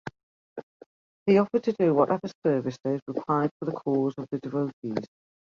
He offered to do whatever services required for the cause of the devotees.